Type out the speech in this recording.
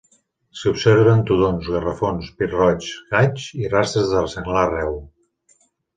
S'hi observen tudons, gafarrons, pit-roigs, gaigs i rastres de senglar arreu.